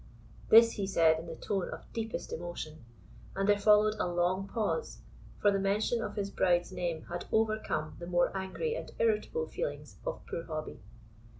This he said in the tone of deepest emotion and there followed a long pause, for the mention of his bride's name had overcome the more angry and irritable feelings of poor Hobbie.